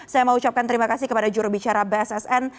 saya mau ucapkan terima kasih kepada jurubicara bssn